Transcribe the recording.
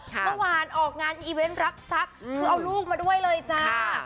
เมื่อวานออกงานอีเวนต์รับทรัพย์คือเอาลูกมาด้วยเลยจ้า